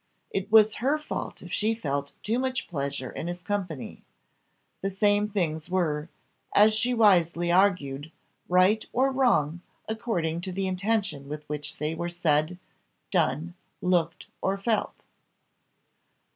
It was her fault if she felt too much pleasure in his company; the same things were, as she wisely argued, right or wrong according to the intention with which they were said, done, looked, or felt.